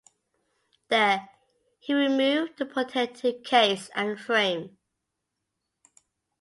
There, he removed the protective case and frame.